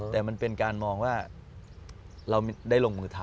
แต่มันเป็นการมองว่าเราได้ลงมือทำ